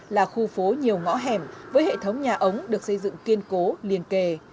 là khu phố nhiều ngõ hẻm với hệ thống nhà ống được xây dựng kiên cố liên kề